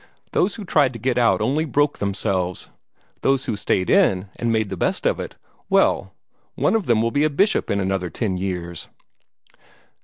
Those who tried to get out only broke themselves. Those who stayed in, and made the best of it well, one of them will be a bishop in another ten years."